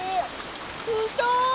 うそ！